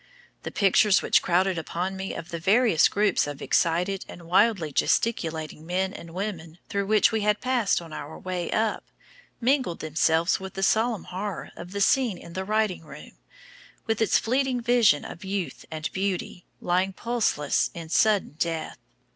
The pictures which crowded upon me of the various groups of excited and wildly gesticulating men and women through which we had passed on our way up, mingled themselves with the solemn horror of the scene in the writing room, with its fleeting vision of youth and beauty lying pulseless in sudden death.